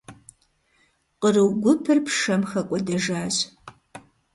Къру гупыр пшэм хэкӏуэдэжащ.